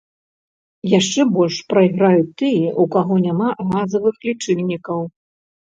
Яшчэ больш прайграюць тыя, у каго няма газавых лічыльнікаў.